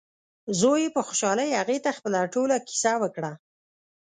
زوی یې په خوشحالۍ هغې ته خپله ټوله کیسه وکړه.